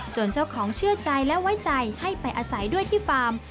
เจ้าของเชื่อใจและไว้ใจให้ไปอาศัยด้วยที่ฟาร์ม